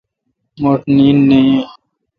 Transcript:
م ٹھ نیند نہ یین۔